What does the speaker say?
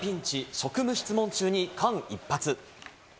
職務質問中に間一髪。